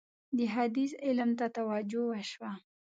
د حدیث علم ته توجه وشوه.